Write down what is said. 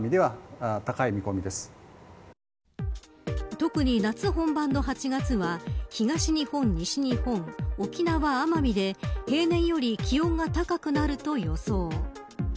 特に、夏本番の８月は東日本、西日本沖縄・奄美で平年より気温が高くなると予想。